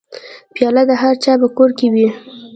پیاله د هرچا په کور کې وي.